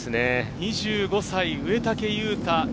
２５歳、植竹勇太。